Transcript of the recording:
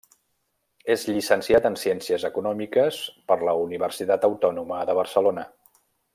És llicenciat en Ciències Econòmiques per la Universitat Autònoma de Barcelona.